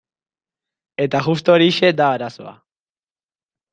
Eta justu horixe da arazoa.